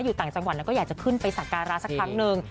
อยู่ต่างจังหวัดแล้วก็อยากจะขึ้นไปสักการะสักครั้งหนึ่ง